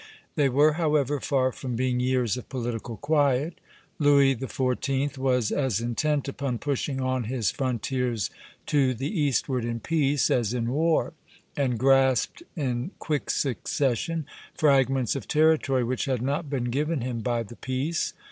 They were, however, far from being years of political quiet. Louis XIV. was as intent upon pushing on his frontiers to the eastward in peace as in war, and grasped in quick succession fragments of territory which had not been given him by the peace.